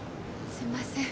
すいません。